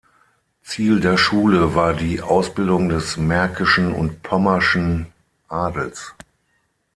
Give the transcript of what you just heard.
Ziel der Schule war die Ausbildung des märkischen und pommerschen Adels.